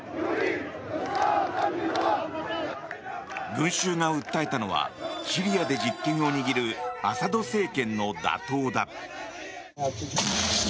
群衆が訴えたのはシリアで実権を握るアサド政権の打倒だ。